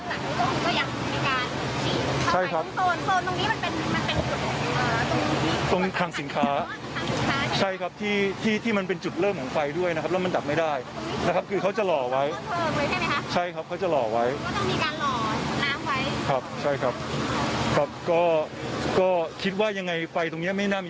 ต้องอย่างมีการที่ตรงตรงนี้มันเป็นมันเป็นตรงตรงทางสินค้าใช่ครับที่ที่มันเป็นจุดเริ่มของไฟด้วยนะครับแล้วมันดับไม่ได้นะครับคือเขาจะหล่อไว้ใช่ไหมครับ